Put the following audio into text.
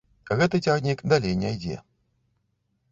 Гэты цягнік далей не ідзе.